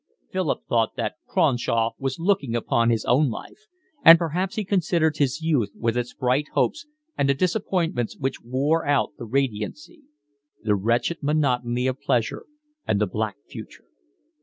Philip thought that Cronshaw was looking upon his own life; and perhaps he considered his youth with its bright hopes and the disappointments which wore out the radiancy; the wretched monotony of pleasure, and the black future.